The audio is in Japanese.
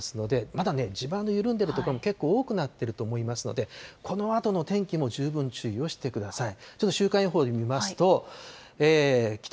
かなり雨が降ってますので、まだ地盤の緩んでいる所が結構多くなっていると思いますので、このあとの天気も十分注意をしてください。